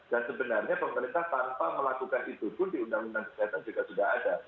dan sebenarnya pemerintah tanpa melakukan itupun di undang undang kecantikan juga sudah ada